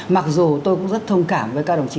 mặc dù tôi cũng rất thông cảm với các đồng chí